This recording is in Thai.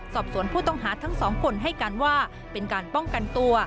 สอบสวนผู้ต้องหาทั้งสองคนให้การว่าเป็นการป้องกันตัว